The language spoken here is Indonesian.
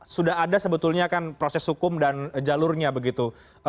sudah ada sebetulnya kan proses hukum dan jalurnya begitu